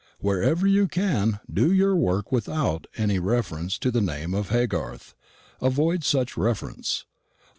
Wherever you can do your work without any reference to the name of Haygarth, avoid such reference.